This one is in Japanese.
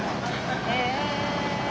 へえ。